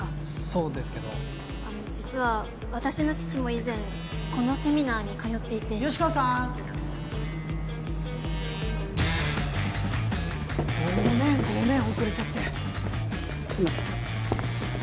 そうですけどあの実は私の父も以前このセミナーに通っていて吉川さーんごめんごめん遅れちゃってすいません